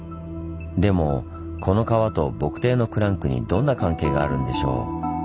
でもこの川と墨堤のクランクにどんな関係があるんでしょう？